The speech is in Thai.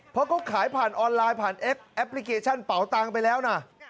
เพราะเขาขายผ่านออนไลน์ผ่านแอปพลิเคชันเป๋าตังค์ไปแล้วนะ